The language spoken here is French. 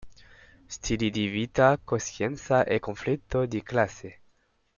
Stili di vita, coscienza e conflitto di classe.